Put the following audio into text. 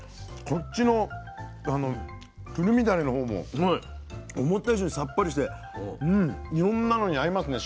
こっちのくるみだれのほうも思った以上にさっぱりしていろんなのに合いますね。